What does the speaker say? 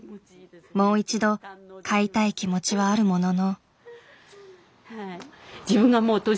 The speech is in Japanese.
もう一度飼いたい気持ちはあるものの。